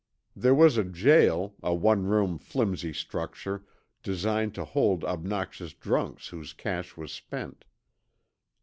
There was a jail, a one room flimsy structure, designed to hold obnoxious drunks whose cash was spent.